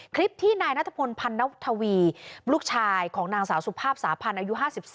คลิปที่นายนัทพลพันนวัฒวีลูกชายของนางสาวสุภาพสาพันธ์อายุ๕๒